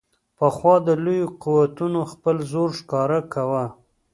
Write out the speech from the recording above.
پخوا به لویو قوتونو خپل زور ښکاره کاوه.